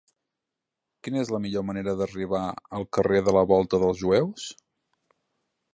Quina és la millor manera d'arribar al carrer de la Volta dels Jueus?